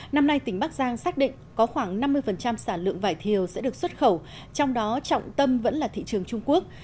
năm nay tỉnh bắc giang xác định có khoảng năm mươi sản lượng vải thiều sẽ được xuất khẩu trong đó trọng tâm vẫn là thị trường trung quốc